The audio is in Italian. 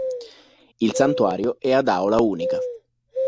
Il santuario è ad aula unica.